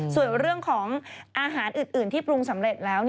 ส่วนเรื่องของอาหารอื่นที่ปรุงสำเร็จแล้ว